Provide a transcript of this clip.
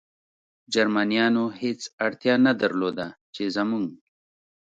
جرمنیانو هېڅ اړتیا نه درلوده، چې زموږ.